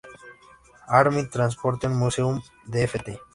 Army Transportation Museum de Ft.